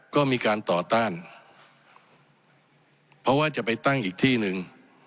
ก็มีการต่อต้านเพราะว่าจะไปตั้งอีกที่หนึ่ง